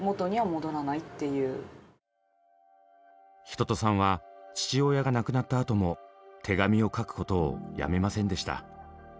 一青さんは父親が亡くなったあとも手紙を書くことをやめませんでした。